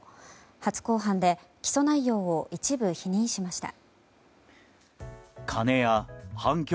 初公判で起訴内容を一部否認しました。